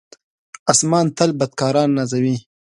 آسمان تل بدکاران نازوي.